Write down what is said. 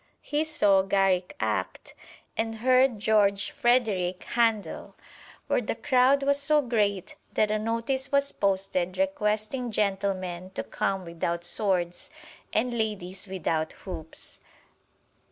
He saw Garrick act and heard George Frederick Handel, where the crowd was so great that a notice was posted requesting gentlemen to come without swords and ladies without hoops.